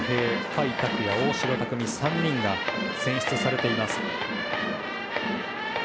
甲斐拓也、大城卓三３人が選出されています。